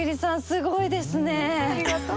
すごいですね！